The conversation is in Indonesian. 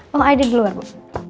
oh ada di luar bu